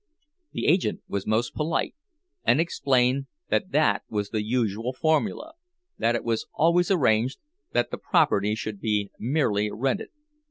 The agent was most polite, and explained that that was the usual formula; that it was always arranged that the property should be merely rented.